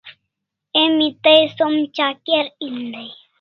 Emi tai som chaker en dai